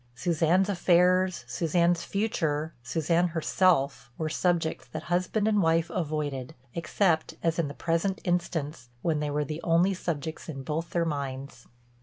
Suzanne's affairs, Suzanne's future, Suzanne herself were subjects that husband and wife avoided, except, as in the present instance, when they were the only subjects in both their minds.